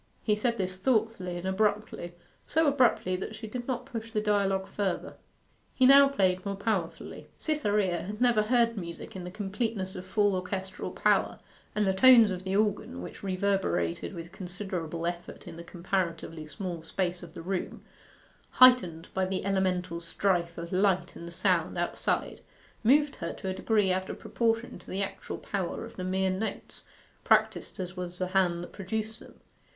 He said this thoughtfully and abruptly so abruptly that she did not push the dialogue further. He now played more powerfully. Cytherea had never heard music in the completeness of full orchestral power, and the tones of the organ, which reverberated with considerable effect in the comparatively small space of the room, heightened by the elemental strife of light and sound outside, moved her to a degree out of proportion to the actual power of the mere notes, practised as was the hand that produced them.